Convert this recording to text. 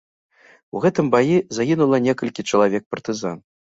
У гэтым баі загінула некалькі чалавек партызан.